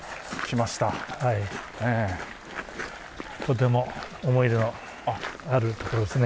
とても思い出のある所ですね。